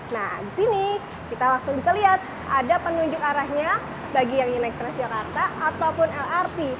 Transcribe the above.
nah di sini kita langsung bisa lihat ada penunjuk arahnya bagi yang ingin naik transjakarta ataupun lrt